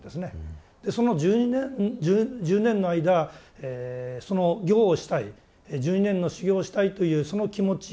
その１０年の間その行をしたり１２年の修行をしたいというその気持ち。